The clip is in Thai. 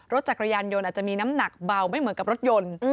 รถจักรยานยนต์อาจจะมีน้ำหนักเบาไม่เหมือนกับรถยนต์